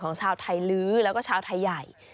ชาวไทยลื้อแล้วก็ชาวไทยใหญ่